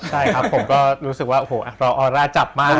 ใช่ครับผมก็รู้สึกว่าโอ้โหรอออร่าจับมาก